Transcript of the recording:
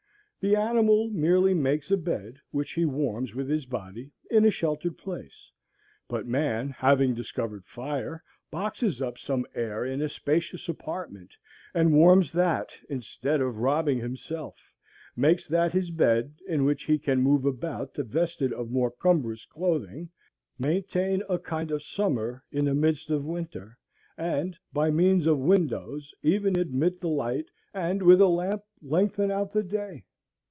The animal merely makes a bed, which he warms with his body, in a sheltered place; but man, having discovered fire, boxes up some air in a spacious apartment, and warms that, instead of robbing himself, makes that his bed, in which he can move about divested of more cumbrous clothing, maintain a kind of summer in the midst of winter, and by means of windows even admit the light, and with a lamp lengthen out the day.